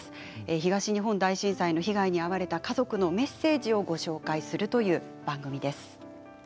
東日本大震災で被害に遭われた家族のメッセージをご紹介するという番組です。